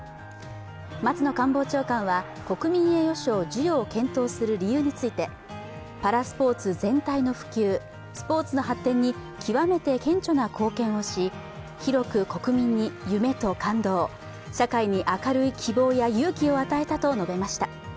松野官房長官は国民栄誉賞授与を検討する理由についてパラスポーツ全体の普及、スポーツの発展に極めて顕著な貢献をし広く国民に夢と感動、社会に明るい希望や勇気を与えたと述べました。